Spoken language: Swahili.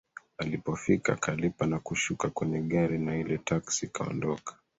Alipofika akalipa na kushuka kwenye gari na ile taksi ikaondoka